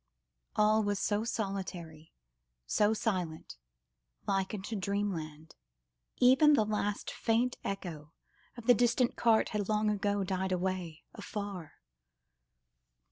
All was so solitary, so silent, like unto dreamland. Even the last faint echo of the distant cart had long ago died away, afar.